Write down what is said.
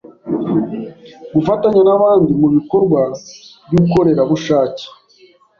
Gufatanya n’abandi mu bikorwa by’ubukorerabushake